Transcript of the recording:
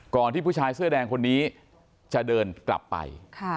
ที่ผู้ชายเสื้อแดงคนนี้จะเดินกลับไป